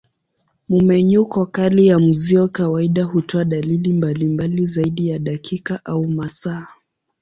Mmenyuko kali ya mzio kawaida hutoa dalili mbalimbali zaidi ya dakika au masaa.